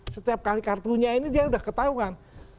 setiap kali kartunya ini dia sudah ketahuan